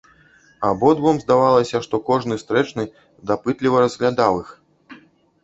Абодвум здавалася, што кожны стрэчны дапытліва разглядаў іх.